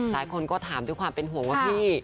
หลายคนก็ถามด้วยความเป็นห่วงว่าพี่